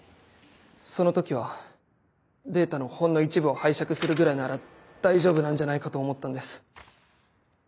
その時はデータのほんの一部を拝借するぐらいなら大丈夫なんじゃないかと思ったんです。